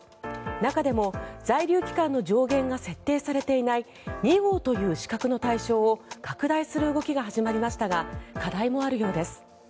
中でも在留期間の上限が設定されていない２号という資格の対象を拡大する動きが始まりましたが課題もあるようです。